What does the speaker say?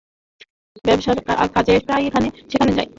ব্যবসার কাজে প্রায়ই এখানে সেখানে যায়!